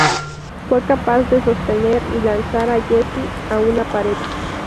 Fue capaz de sostener y lanzar a Jessie a una pared.